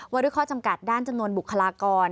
ว่าด้วยข้อจำกัดด้านจำนวนบุคลากร